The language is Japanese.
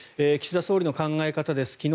岸田総理の考え方です。